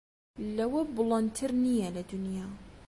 لەوە بوڵەندتر نییە لە دونیا